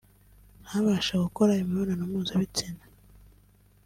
ntabashe gukora imibonano mpuzabitsina